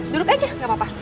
duduk aja gak apa apa